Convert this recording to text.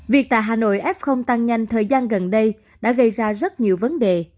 việc tại hà nội f tăng nhanh thời gian gần đây đã gây ra rất nhiều vấn đề